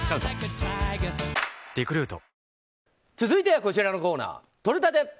続いてはこちらのコーナーとれたて！